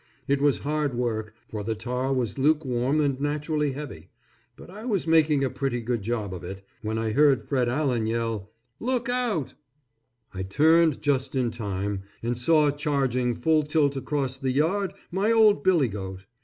It was hard work, for the tar was lukewarm and naturally heavy; but I was making a pretty good job of it, when I heard Fred Allen yell, "Look Out!" I turned just in time, and saw charging full tilt across the yard my old billy goat.